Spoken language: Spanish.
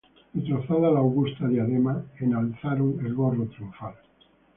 Y trozada la augusta diadema, Enalzaron el gorro triunfal!